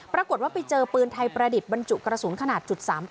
ปรากฏว่าไปเจอปืนไทยประดิษฐ์บรรจุกระสุนขนาด๓๘